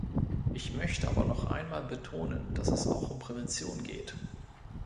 Ich möchte aber noch einmal betonen, dass es auch um Prävention geht.